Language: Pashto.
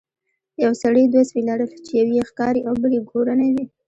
یو سړي دوه سپي لرل چې یو یې ښکاري او بل یې کورنی و.